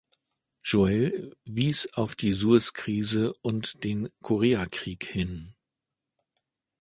Joel wies auf die Sueskrise und den Koreakrieg hin.